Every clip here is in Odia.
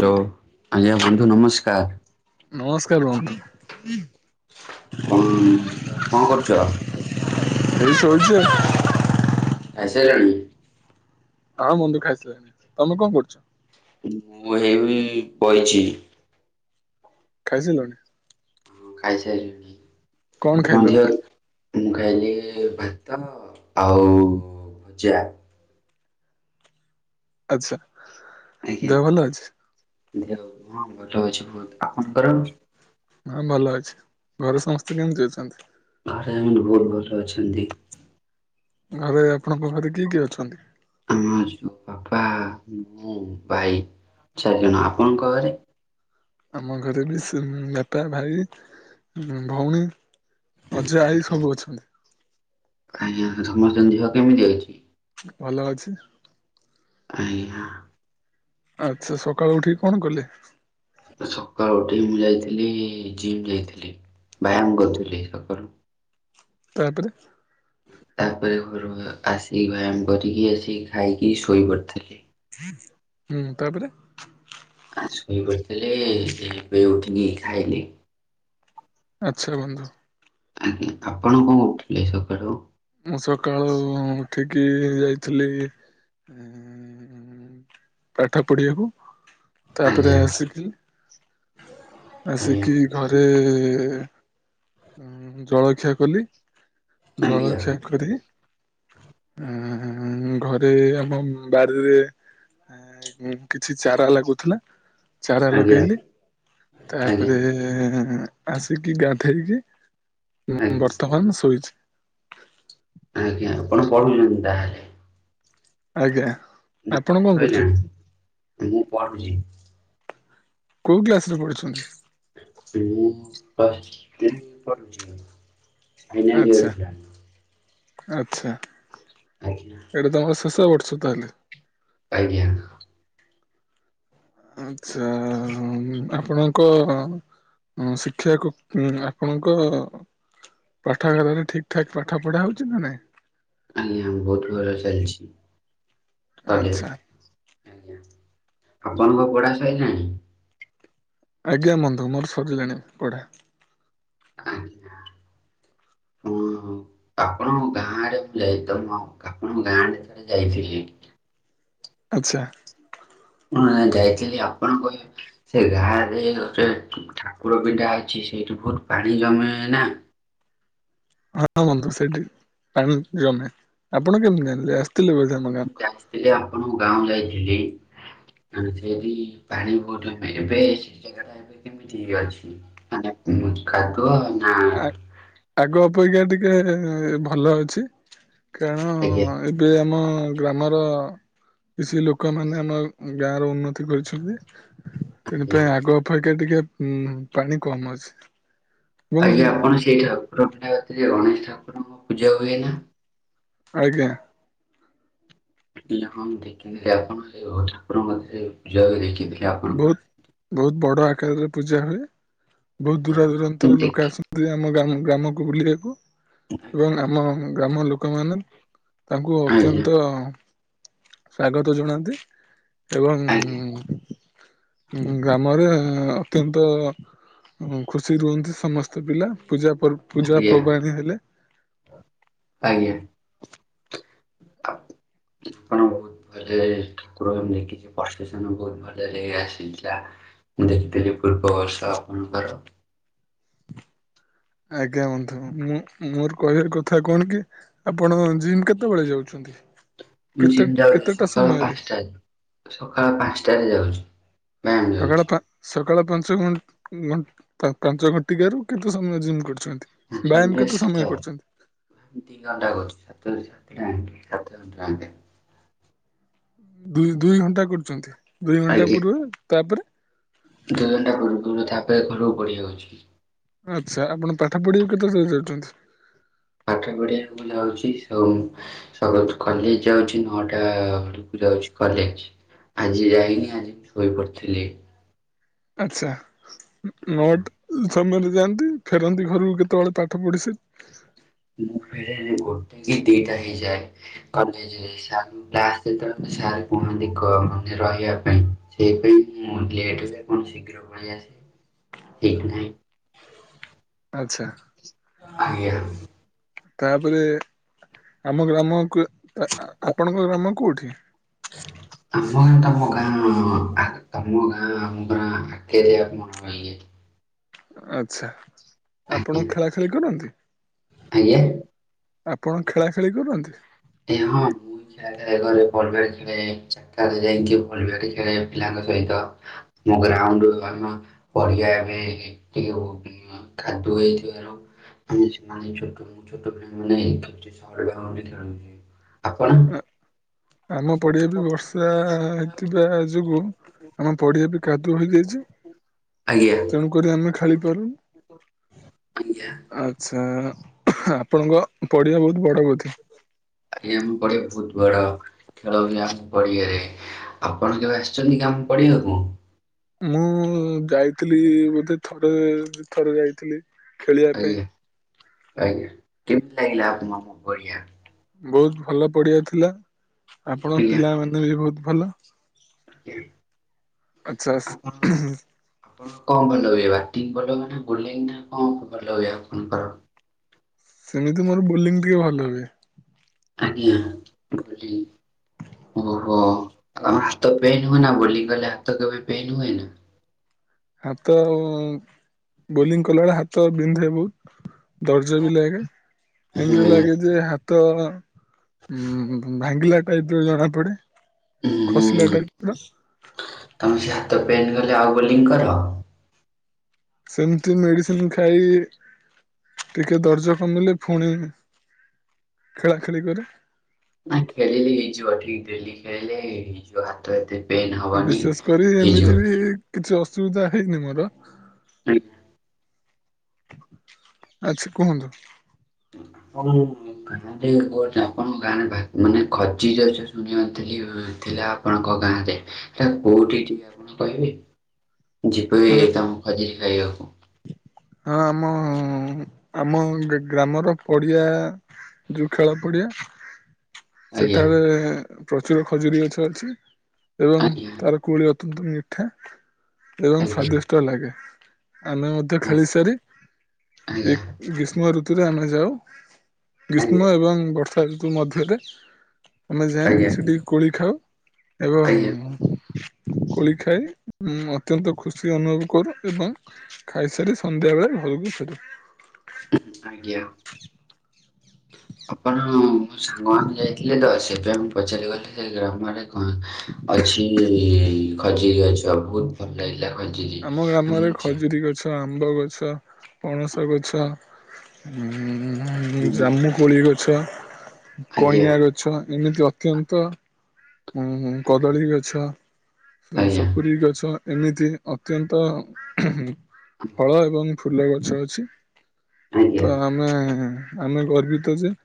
ତ ଆଜ୍ଞା ବନ୍ଧୁ ନମସ୍କାର। ନମସ୍କାର ବନ୍ଧୁ। [unintelligible] କଣ କରୁଛ? ଏଇ ଶୋଇଛି । ଖାଇସାରିଲଣି। ଆଉ ବନ୍ଧୁ ଖାଇସାରିଲିଣି ତମେ କଣ କରୁଛ? ମୁଁ ହେଇି ବଇଛି। ଖାଇସାରିଲଣି। କଣ ଖାଇସାରିଲିଣି ଖାଇଲ? ମନ୍ଦିର ରୁ। ମୁଁ ଖାଇଲି ଭାତ ଆଉ ଭଜା। ଆଚ୍ଛା ଆଜ୍ଞା ଦେହ ଭଲ ଅଛି। ଦେହ ଆଉ ହଁ ଭଲ ଅଛି ବନ୍ଧୁ ଆପଣଙ୍କର ହଁ ଭଲ ଅଛି ଘରେ ସମସ୍ତେ କେମିତି ଅଛନ୍ତି? ଘରେ ଆମର ବହୁତ୍ ଭଲ ଅଛନ୍ତି। ଘରେ ଆପଣଙ୍କ ଘରେ କିଏ କିଏ ଅଛନ୍ତି? [unintelligible] ବାପା ମୁଁ ଭାଇ। ଚାରିଜଣ ଆପଣଙ୍କ ଘରେ? ଆମ ଘରେ ବି ସେମ୍ ବାପା, ଭାଇ, ଭଉଣୀ। ଅଜା, ଆଈ ସବୁ ଅଛନ୍ତି। ଆଜ୍ଞା ସମସ୍ତଙ୍କ ଦିହ କେମିତି ଅଛି? ଭଲ ଅଛି। ଆଜ୍ଞା। ଆଚ୍ଛା ସକାଳୁ ଉଠିକି କଣ କଲେ? ସକାଳୁ ଉଠି ମୁଁ ଯାଇଥିଲି ଜିମ୍ ଯାଇଥିଲି। ବ୍ୟାୟାମ କରୁଥିଲି ସକାଳୁ ତାପରେ ତାପରେ ଘରୁ ଆସିି ବ୍ୟାୟାମ କରିକି ଆସିି ଖାଇକି ଶୋଇପଡି଼ଥିଲି। ହୁଁ ତାପରେ ଆ ଶୋଇପଡି଼ଥିଲି ଏବେ ଉଠିକି ଖାଇଲି। ଆଚ୍ଛା ବନ୍ଧୁ। ଆଜ୍ଞା ଆପଣ କଣ ଉଠିଲେ ସକାଳୁ। ମୁଁ ସକାଳୁ ଉଠିକି ଯାଇଥିଲି ପାଠ ପଢ଼ିବାକୁ। ତାପରେ ଆଜ୍ଞା ଆସିକି ଆଜ୍ଞା ଆସିକି ଘରେ ଜଳଖିଆ କଲି। ଆଜ୍ଞା ଜଳଖିଆ କରି ଆ ଘରେ ଆମ ବାରିରେ ଏଁ କିଛି ଚାରା ଲାଗୁଥିଲା ଚାରା ଆଜ୍ଞା ଲଗେଇଲି ଆଜ୍ଞା ତାପରେ ଆସିକି ଗାଧେଇକି ଆଜ୍ଞା। ବର୍ତ୍ତମାନ ଶୋଇଛି। ଆଜ୍ଞା ଆପଣ ପଢୁଛନ୍ତି ତାହେଲେ। ଆଜ୍ଞା। ନା ଆପଣ ପଢ଼ା କଣ କରୁଛନ୍ତି ସଇଲାଣି ମୁଁ ପଢୁ଼ଛି। କୋଉ କ୍ଲାସ ରେ ପଢୁଛନ୍ତି? ମୁଁ [unintelligible] ରେ ପଢୁ଼ଚି। ଫାଇନାଲ ଇୟର ଆଚ୍ଛା ଏଟା। ଆଚ୍ଛା ଆଜ୍ଞା ଏଇଟା ତମର ଶେଷ ବର୍ଷ ତାହେଲେ ଆଜ୍ଞା। ଆଚ୍ଛା ଉଁ ଆପଣଙ୍କ ଶିକ୍ଷକ ଆପଣଙ୍କ ପାଠାଗାରାରେ ଠିକ୍ ଠାକ୍ ପାଠ ପଢ଼ା ହଉଛି ନା ନାଇଁ? ଆଜ୍ଞା ବହୁତ୍ ଭଲ ଚାଲିଚି। ଆଚ୍ଛା ଆଜ୍ଞା ଆପଣଙ୍କ ପଢା ସଇଲାଣି। ଆଜ୍ଞା ବନ୍ଧୁ ମୋର ସରିଲାଣି ପଢା। ଆଜ୍ଞା ଓ ହୋ ଆପଣ ଆରେ [inaudible] ଆପଣଙ୍କ ଗାଁ ଆଡେ ଥରେ ଯାଇଥିଲି। ଆଚ୍ଛା ମୁଁ ଯାଇଥିଲି ଆପଣଙ୍କ ସେ ଗାଁରେ ଗୋଟେ ଠାକୁର ପିଣ୍ଡା ଅଛି। ସେଇଠୁ ବହୁତ ପାଣି ଜମେ ନା ହଁ ହଁ ବନ୍ଧୁ ସେଠି ପାଣି ଜମେ ଆପଣ କେମିତି ଜାଣିଲେ ଆ ମୁଁ ଯାଇଥିଲି ଆପଣଙ୍କ ଗାଁ ଯାଇଥିଲି ଆେ ସେଇଠି ପାଣି ବହେ ଏବେ ସେ ଜାଗା ଟା ଏବେ କେମିତି ଅଛି ମାନେ କାଦୁଅ ନା ଆ ଆଗ ଅପେକ୍ଷା ଟିକେ ଭଲ ଅଛି କାରଣ ଆଜ୍ଞା ଏବେ ଆମ ଆମ ଗ୍ରାମର କିଛି ଲୋକମାନେ ଆମ ଗାଁ ର ଉନ୍ନତି କରିଛନ୍ତି ତେଣ ଆଜ୍ଞା ପାଇଁାଇ ଆଗ ଅପକ୍ଷା ଟିକେ ପାଣି କମ ଅଛି ଏବଂ ଆଜ୍ଞା ଆପଣ ସେଇ ଠାକୁର ଘାତିରେ ଗଣେଶ ଠାକୁରଙ୍କ ପୂଜା ହୁଏ ନା ଆଜ୍ଞା ହେଲୋ ହ ମୁଁ ଦେଖେ ଆପଣ ସେ ଠାକୁର ଙ୍କ ପାଖରେ ପୂଜା କରନ୍ତି ବହୁତ ଆପଣଙ୍କର ବହୁତ ବଡ ଆକାରରେ ପୂଜା ହୁଏ ବହୁତ ଦୂର ଆଜ୍ଞା ଦୂରାନ୍ତର ଲୋକ ଦେଖି ଆସନ୍ତି ଆମ ଗ୍ରାମ କୁ ଗ୍ରାମକୁ ବୁଲିବାକୁ ଏବଂ ଆଜ୍ଞା ଆମ ଗ୍ରାମ ଲୋକମାନେ ତାଙ୍କୁ ଆଜ୍ଞା ଅତ୍ୟନ୍ତ ସ୍ଵାଗତ ଜଣାନ୍ତି ଏବଂ ଆଜ୍ଞା ଗ୍ରାମରେ ଅତ୍ୟନ୍ତ ଖୁସି ରୁହନ୍ତି ସମସ୍ତ ପିଲା ପୂଜା ପୂଜା ଆଜ୍ଞା ପ୍ରବାଣୀ ହେଲେ ଆପଣହୁଏତ ଭଲେ ଠାକୁର ଙ୍କୁ ଦେଖିଛି ପ୍ରସେଶନ ଭୋଉତ ଭଲରେ ଆସିଥିଲା ଦେଖିଥିଲି ପୂର୍ବବର୍ଷା ଆପଣଙ୍କର ଆଜ୍ଞା ବନ୍ଧୁ ମୁଁ ମୋର କହିବାର କଥା କଣ କି ଆପଣ ଜିମ୍ କେତେବେଳେ ଯାଉଛନ୍ତି ମୁ କେତେ ଜିମ୍ ଯାଉଛି କେତେଟା ସକାଳ ସମୟରେ ପାଞ୍ଚଟାରେ ସକାଳ ପାଞ୍ଚଟାରେ ଯାଉଛି ବ୍ୟାୟାମ ଯାଉଛି ସକାଳ ସକାଳ ପାଞ୍ଚ ପାଞ୍ଚ ଘଣ୍ଟିକ ର କେତେ ସମୟ ଜି କର ସାତ ଏମତି ଘଣ୍ଟାଛି ସାତରୁ ସାତଟା ସତ ମିନିଟ୍ ରେ ଦୁଇ ଦୁଇ ଘଣ୍ଟା କରୁଛନ୍ତି ଦୁଇ ଘଣ୍ଟା ଆଜ୍ଞା ପୂର୍ବେ ତାପରେ ଦୁଇ ଘଣ୍ଟା ପୂର୍ବରୁ ତାପରେ ଘରକୁ ପଲିଆସୁଛି ଆଚ୍ଛା ଆପଣ ପାଠ ପଢିବା ବାକୁ କେତେବେଳେ ଯାଉଛନ୍ତି ପାଠ ପଢିବାକୁ ଯାଉଛି ସ କଲେଜ ଯାଉଛି ନଅଟା ବେଳ କୁ ଯାଉଛି କଲେଜ୍ ଆଜି ଯାଇନି ଆଜି ମୁ ଶୋଇ ପଡିଥିଲି ଆଛା ନଅଟା ସମୟରେ ଯାଆନ୍ତି ଫେରନ୍ତି ଘରକୁ କେତେବେଳେ ପାଠ ପଢ଼ିସି ମୁଁ ଫେରେରେ ଗୋଟେ କି ଦିଟା ହେଇଯାଏ କଲେଜ ରେ ସାର୍ ଙ୍କୁ ଯେତେବେଳେ ସାର୍ କୁହନ୍ତି ରହିବା ପାଇଁ ସେଇଥିପାଇଁ ମୁଁ ଲେଟ ରେ ଶୀଘ୍ର ପାଲେଇଆସେ ଠିକ୍ ନାହିଁ ଆଚ୍ଛା ଆଜ୍ଞା ତାପରେ ଆମ ଗ୍ରାମ ଆପଣଙ୍କ ଗ୍ରାମ କୋଉଠି ହ ଆମ ତମ ଗାଁ ତମ ଗାଁ ଆମ ଗାଁ ପାଖିରେ ଆମ ଗାଁ ଆଛା ଆଜ୍ଞା ଆପଣ ଖେଳା ଖେଳି କରନ୍ତି ଆଜ୍ଞା। ଆପଣ ଖେଳା ଖେଳି କରନ୍ତି ଏ ହଁ ଖେଳେ ବଲ୍ ବ୍ୟାଟ ଖେଳେ ଚାରିଟା ବେଳେ ଯାଇକି ବଲ୍ ବ୍ୟାଟ ଖେଳେ ପିଲାଙ୍କ ସହିତ। ମୋ ଗ୍ରାଉଣ୍ଡୁ ଆମ ପଡିଆ ରେ ଟିକେ କାଦୁଅ ହେଇଥିବାରୁ [unintelligible] ଆପଣ? ଆ ଆମ ପଡିଆ ବି ବର୍ଷା ହେଇଥିଲା ଯୋଗୁ ଆମ ପଡିଆ ବି କାଦୁଅ ହୋଇଯାଇଛି ଆଜ୍ଞା ତେଣୁ କରି ଆମେ ଖେଳି ପାରୁନୁ। ଆଜ୍ଞା। ଅ ଆପଣଙ୍କ ପଡିିଆ ବହୁତ ବଡ ବୋଧେ? ଆରେ ଆମ ପଡିଆ ବହୁତ ବଡ ଖେଳ ବି ଆମ ପଡିଆରେ ଆପଣ କେବେ ଆସିଛନ୍ତି? ଆମ ପଡିଆକୁ? ମୁଁ ଯାଇଥିଲି ବୋଧେ ଥରେ ଦିଥର ଯାଇଥିଲି। ଖେଳିବା ପାଇଁ। ଆଜ୍ଞା ଆଜ୍ଞା, କେମିତି ଲାଗିଲା ଆପ ଆମ ପଡ଼ିଆ? ବହୁତ ଭଲ ପଡିଆ ଥିଲା ଆପଣଙ୍କ ପିଲାମାନେ ବି ବହୁତ ଭଲ। ହିଁ ହିଁ। ଆଚ୍ଛା। କଣ ଭଲ ହୁଏ ବ୍ୟାଟିଙ୍ଗ ଭଲ ହୁଏ ନା ବୋଲିଙ୍ଗ୍ ନା କଣ ଭଲ ହୁଏ ଆପଣଙ୍କର? ସେମିତି ମୋର ବୋଲିଂ ଟିକେ ଭଲ ହଏ। ଆଜ୍ଞା। ଓହୋ ତମ ହାତ ପେନ୍ ହୁଏନା ବୋଲିଂ କଲେ ହାତ କେବେ ପେନ୍ ହୁଏ ନା? ହାତ ବୋଲିଂ କଲାବଳେ ହାତ ବିନ୍ଧେ ବହୁତ ଦରଜ୍ ବିି ଲାଗେ। ହୁଁ ଏମିତି ଲାଗେ ଯେ ହାତ ଉ ଭାଙ୍ଗିଲା ଟାଇପର ଜଣା ପଡେ। ହୁଁ ଖସିଲା ହୁଁ ଟାଇପ ର ତମେ ସେ ହାତ ପେନ୍ ଗଲେ ଆଉ ବୋଲିଂ କର? ସେମିତି ମେଡିସିନ ଖାଇ ଟିକେ ଦରଜ କମିଲେ ପୁଣି ଖେଳା ଖେଳି କରେ। ନା ଖେଳିଲେ ହେଇଯିବ ଠିକ ଡେଲି ଖେଳିଲେ ହେଇଯିବ ହାତ ଏତେ ପେନ୍ ଆ ହବନି। ବିଶେଷ କରି ହେଇଯିବ ଏମିତି ବି କିଛି ଅସୁବିଧା ହେଇନି ମୋର [unintelligible] ଆଛା କୁହନ୍ତୁ? [unintelligible] ଆପଣ ଗାଁରେ କ ଖଜି ଯାଉଛ ଶୁଣିବାତେ? ଥିଲା ଆପଣଙ୍କ ଗାଁ ରେ ତା କୋଉଠି ଟିକେ ଆପଣ କହିବେ? ଯିବା ମୁ ଖଜିିରି ଖାଇବାକୁ? ହଁ, ଆମ ଆମ ଗ୍ରାମର ପଡିଆ ଯୋଉ ଖେଳ ପଡିଆ ଆଜ୍ଞା ସେଠାରେ ପ୍ରଚୁର ଖଜୁରୀ ଗଛ ଅଛି, ଏବଂ ଆଜ୍ଞା ତାର କୁଳି ଗ ମିଠା ଏବଂ ଆଜ୍ଞା ସ୍ୱାଦିଷ୍ଟଲାଗେ ଆମେ ମଧ୍ୟ ଖେଳି ସାରି ଆଜ୍ଞା ଗ୍ରୀଷ୍ମ ଋତୁରେ ଆମେ ଯାଉ। ଆଜ୍ଞା ଗ୍ରୀଷ୍ମ ଏବଂ ବର୍ଷା ଋତୁ ମଧ୍ୟରେ ଆମେ ଯାଏ ଆଜ୍ଞା ସେଠିକି କୋଳି ଖାଉ ଏବଂ ଆଜ୍ଞା କୋଳି ଖାଇ ହୁଁ ଅତ୍ୟନ୍ତ ଖୁସି ଅନୁଭବ କରୁ ଏବଂ ଖାଇ ସେଠି ସନ୍ଧ୍ୟାବେଳେ ଘରକୁ ଫେରୁ। ଆଜ୍ଞା, ଆପଣ ମୋ ସାଙ୍ଗମାନୋନ ଯାଇଥିଲେ ତ ସେଇପାଇଁ ମୁଁ ପଚାରି ଗଲି ସେ ଗ୍ରାମରେ କଣ ଅଛି, ଖଜିରି ଗଛବହୁତ ଭଲ ଲାଗିଲା। ଖଜୁରୀ ଆମ ଗ୍ରାମରେ ମୁଁ ଯି ଖଜୁରୀ ଗଛ ଆମ ଆମ୍ବ ଗଛ, ପଣସ ଗଛ ଉ ଆଜ୍ଞା ଜାମୁ କୋଳି ଗଛ ଗଛ, ଆଜ୍ଞା କଇଆ ଗଛ ଏମିତି ଅତ୍ୟନ୍ତ ଉ ଆଜ୍ଞା କଦଳୀ ଗଛ, ଆଜ୍ଞା ସପୁରୀ ଗଛ ଏମିତି ଅତ୍ୟନ୍ତ [inaudible] ଆଜ୍ଞା ଫଳ ଏବଂ ଫୁଲ ଗଛ ଅଛି । ଆଜ୍ଞା ତ ଆମେ ଆମେ ଗର୍ବିତ ଯେ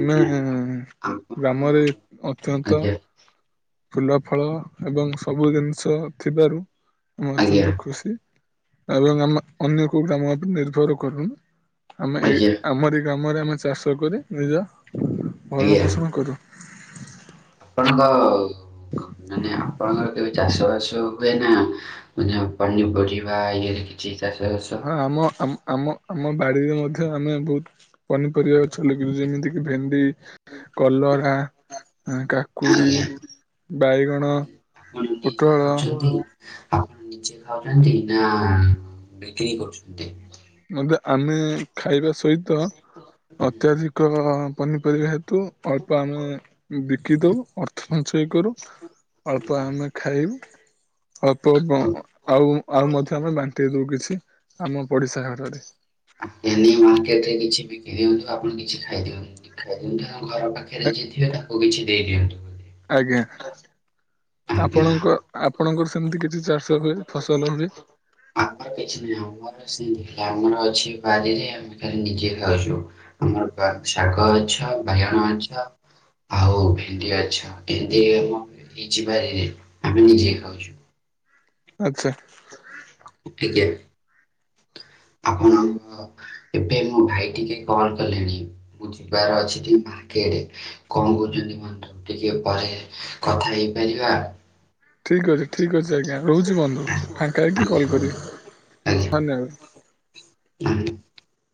ଆମେ ଆଜ୍ଞା ଆପଣ ଗ୍ରାମରେ ଅତ୍ୟନ୍ତ ଆଜ୍ଞା ଫୁଲ ଫଳ ଏବଂ ସବୁ ଜିନିଷ ଥିବାରୁ ଆମେ ଆଜ୍ଞା ଅତ୍ୟନ୍ତ ଖୁସି। ଏବଂ ଆମ ଅନ୍ୟ କୋଉ ଗ୍ରାମ ଉପରେ ନିର୍ଭର କରୁନୁ ଆମେ ଏ ଆଜ୍ଞା ଆମରି ଗ୍ରାମ ମରେ ଆମେ ଚାଷ କରି ନିଜ ଭରଣ ପୋଷଣ କରୁ ଭଲ ଆଉ। ମାନେ ଆପଣଙ୍କର କେବେ ଚାଷ ବାସ ହୁଏ ନା ମାନେ ପନିପରିବା ଇଏରେ କିଛି ଚାଷ ବାସ ହଁ ଆମ ଆମ ଆମ ଆମ ବାଡିରେ ମଧ୍ୟ ଆମେ ବହୁତ ପନିପରିବା ଗଛ ଲଗେଇଚୁ ଯେମିତିକି ଭେଣ୍ଡି କଲରା, କାକୁଡି, ବାଇଗଣ [inaudible] ପୋଟଳ ଆଉଛନ୍ତି? ଆପଣ ନିଜେ ଖାଉଚନ୍ତି ନା ବିକ୍ରି କରୁଚନ୍ତି? ଏବେ ଆମେ ଖାଇବା ସହିତ ଅତ୍ୟଧିକ ପନିପରିବା ହେତୁ ଅଳ୍ପ ଆମେ ବିକି ଦଉ ଅର୍ଥ ସଞ୍ଚୟ କରୁ। ଅଳ୍ପ ଆମେ ଖାଇବୁ। ଅଳ୍ପ ଅଳ୍ପ ଆଉ ଆଉ ମଧ୍ୟ ଆମେ ବାଣ୍ଟି ଦଉ କିଛି ଆମ ପଡିଶା ଘରରେ। [inaudible] ମାର୍କେଟ ରେ କିଛି ବିକି ଦିଅନ୍ତୁ ଆପଣ କିଛି ଖାଇଦିଅନ୍ତୁ ଖାଇ ଦିଅନ୍ତୁ। ଘର ପାଖରେ ଯିଏ ଥିବେ ତାକୁ କିଛି ଦେଇ ଦିଅନ୍ତୁ। ଆଜ୍ଞା ଆଜ୍ଞା ଆପଣଙ୍କ ଆପଣଙ୍କର ସେମିତି କିଛି ଚାଷ୍ ଆମର କିଛି ନାହିଁ ଆମର [inaudible] ଆମର ଅଛି ବାରିରେ ଆମେ ଖାଲି ନିଜେ ଖାଉଚୁ ଆମର ଶାଗ ଅଛି ଆଉ ବାଇଗଣ ଅଛି ଆଉ ଭେଣ୍ଡି ଅଛି ଏତିକି ଲାଗିଚି ବାରିରେ ଆମେ ନିଜେ ଖାଉଚୁ। ଆଚ୍ଛା। ଟିକେ। ଆପଣଙ୍କ ଏବେ ମୋ ଭାଇ ଟିକେ କଲ କଲେଣି ମୁଁ ଯିବାର ଅଛି ମା ଏବେ କଁ କହୁଚନ୍ତି ଘଣ୍ଟ ଟିକେ ପରେ କଥା ହେଇପାରିବା? ଠିକ୍ ଅଛି ଠିକ୍ ଠିକ୍ ଅଛି ଆଜ୍ଞା ରହୁଚି ବନ୍ଧୁ ଫାଙ୍କା ହେଇକି ଆଜ୍ଞା କଲ୍ କରିବେ ବନ୍ଧୁ, ଆଜ୍ଞା ଧନ୍ୟବାଦ। [unintelligible]